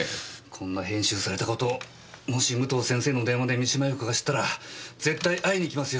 こんな編集された事をもし武藤先生の電話で三島陽子が知ったら絶対会いに行きますよ